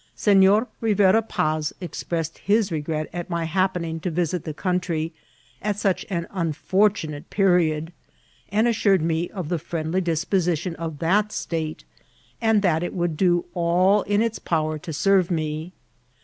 Senor Rivera Paz expressed his regret at my hap pening to visit the country at such an unfortunate pe riod, and assured me of the friendly disposition of that state, and that it would do all in its power to serve me.